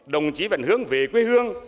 đồng chí vẫn hướng về quê hương